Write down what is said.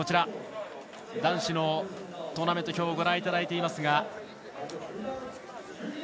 男子のトーナメント表をご覧いただいています。